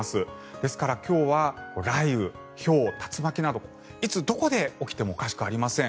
ですから今日は雷雨、ひょう、竜巻などいつ、どこで起きてもおかしくありません。